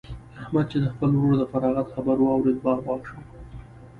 احمد چې د خپل ورور د فراغت خبر واورېد؛ باغ باغ شو.